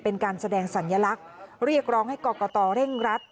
เป็นการแสดงสัญลักษณ์เรียกร้องให้กรกตเร่งรัด